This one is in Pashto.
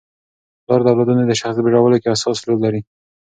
پلار د اولادونو د شخصیت په جوړولو کي اساسي رول لري.